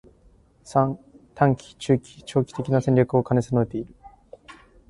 ③ 短期、中期、長期的な戦略を兼ね備えている